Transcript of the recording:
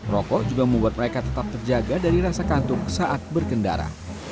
rokok juga membuat mereka tetap terjaga dari rasa kantung saat berkendara